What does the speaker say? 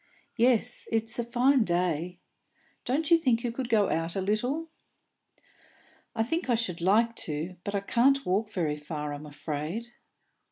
"Yes, it's a fine day. Don't you think you could go out a little?" "I think I should like to, but I can't walk very far, I'm afraid."